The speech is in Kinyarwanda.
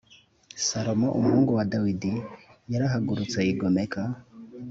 Salomo umuhungu wa dawidi yarahagurutse yigomeka